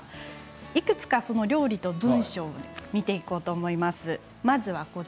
いくつか料理と文章を見ていこうと思います。